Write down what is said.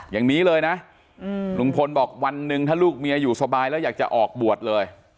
อย่างนี้เลยนะลุงพลบอกวันหนึ่งถ้าลูกเมียอยู่สบายแล้วอยากจะออกบวชเลย